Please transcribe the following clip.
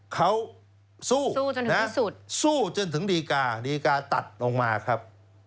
เขาสู้จนถึงดีการ์สู้จนถึงดีการ์ตัดลงมาครับ